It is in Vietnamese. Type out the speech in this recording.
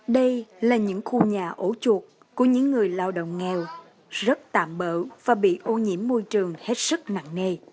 đây là những khu nhà ổ chuột của những người lao động nghèo rất tạm bỡ và bị ô nhiễm môi trường hết sức nặng nề